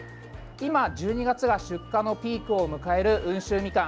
今、１２月が出荷のピークを迎える温州みかん。